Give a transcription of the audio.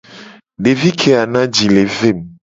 Devi keya na ji le ve mu.